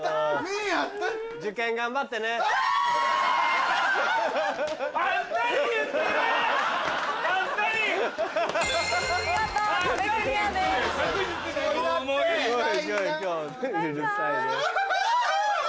えすごい。